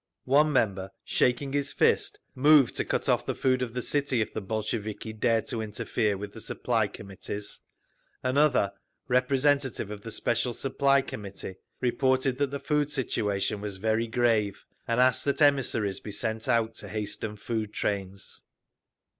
One member, shaking his fist, moved to cut off the food of the city if the Bolsheviki dared to interfere with the Supply Committees…. Another, representative of the Special Supply Committee, reported that the food situation was very grave, and asked that emissaries be sent out to hasten food trains.